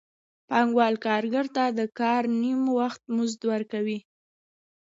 پانګوال کارګر ته د کار نیم وخت مزد ورکوي